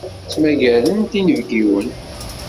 Ttmagarent inebgiwen.